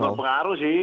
ya ada itu pengaruh sih